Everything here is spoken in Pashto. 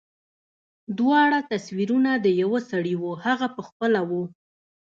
دواړه تصويرونه د يوه سړي وو هغه پخپله و.